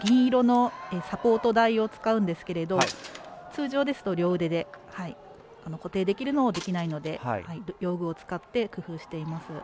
銀色のサポート台を使うんですけれど通常ですと両腕で固定できるのをできないので道具を使って工夫しています。